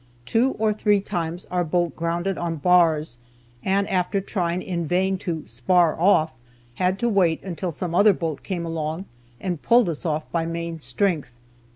Two or three times our boat grounded on bars, and after trying in vain to "spar off," had to wait until some other boat came along, and pulled us off by main strength.